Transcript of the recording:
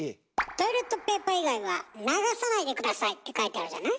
「トイレットペーパー以外は流さないでください」って書いてあるじゃない？